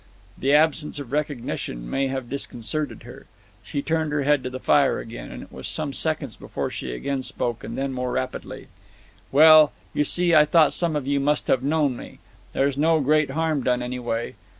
The absence of recognition may have disconcerted her. She turned her head to the fire again, and it was some seconds before she again spoke, and then more rapidly: "Well, you see I thought some of you must have known me. There's no great harm done, anyway.